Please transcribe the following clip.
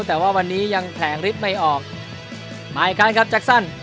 แต่ว่าวันนี้ยังแผลงฤทธิ์ไม่ออกมาอีกครั้งครับแจ็คสั้น